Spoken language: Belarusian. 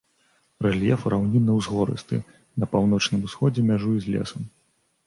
Рэльеф раўнінна-ўзгорысты, на паўночным усходзе мяжуе з лесам.